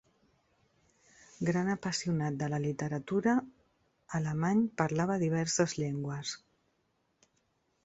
Gran apassionat de la literatura, Alemany parlava diverses llengües.